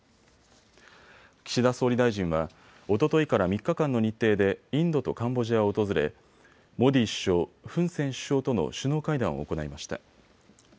岸田総理大臣はおとといから３日間の日程でインドとカンボジアを訪れモディ首相、フン・セン首相との首脳会談を行いました。